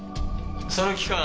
その期間